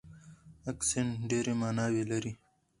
اکسنټ ډېرې ماناوې لري.